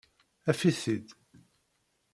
Af-it-id.